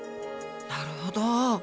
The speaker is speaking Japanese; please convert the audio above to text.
なるほど。